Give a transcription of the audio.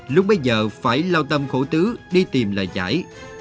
lúc bây giờ phải lao tâm khổ tứ đi tìm lời giải